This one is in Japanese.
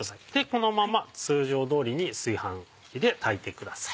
このまま通常通りに炊飯器で炊いてください。